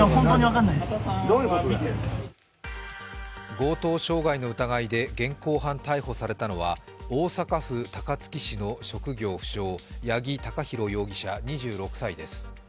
強盗傷害の疑いで現行犯逮捕されたのは大阪府高槻市の職業不詳、八木貴寛容疑者２６歳です。